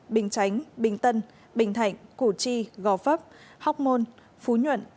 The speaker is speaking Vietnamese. bình chánh bình tân bình thạnh củ chi gò vấp hóc môn phú nhuận